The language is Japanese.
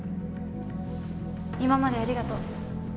今までありがとう。